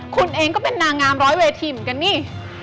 คุณเองก็เป็นนางงามร้อยเวทีเหมือนกันนี่